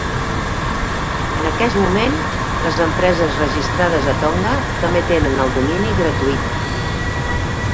En aquest moment, les empreses registrades a Tonga també tenen el domini gratuït.